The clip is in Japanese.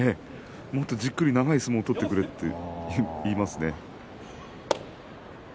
もっとじっくり長い相撲を取りなさいと言いますね。